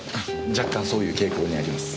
若干そういう傾向にあります。